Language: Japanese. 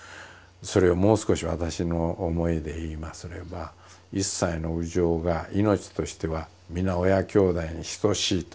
それをもう少し私の思いで言いますれば一切の有情が命としては皆親兄弟に等しいと。